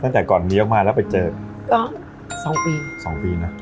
ตั้งแต่ก่อนเลี้ยวมาแล้วไปเจอสองปีสองปีนะ